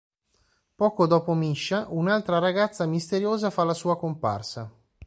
Poco dopo Misha un'altra ragazza misteriosa fa la sua comparsa.